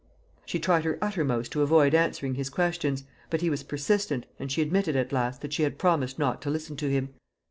She tried her uttermost to avoid answering his questions; but he was persistent, and she admitted at last that she had promised not to listen to him.